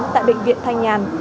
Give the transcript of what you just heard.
tại bệnh viện thanh nhàn